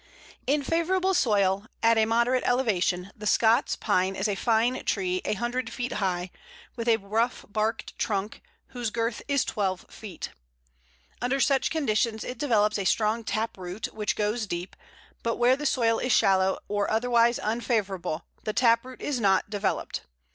In favourable soil, at a moderate elevation, the Scots Pine is a fine tree a hundred feet high, with a rough barked trunk, whose girth is twelve feet. Under such conditions it develops a strong tap root, which goes deep; but where the soil is shallow or otherwise unfavourable the tap root is not developed.